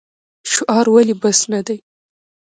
شعار ولې بس نه دی؟